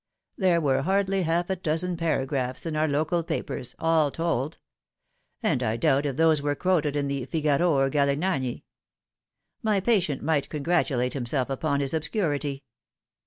There were hardly half a dozen paragraphs in our local papers, all told ; and I doubt if those were quoted in the Figaro or Galignani. My patient might congratulate himself upon his obscurity."